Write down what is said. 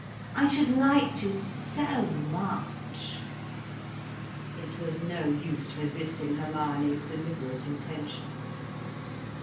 I should like to so much." It was no use resisting Hermione's deliberate intention.